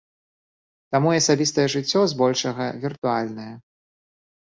Таму і асабістае жыццё, збольшага, віртуальнае.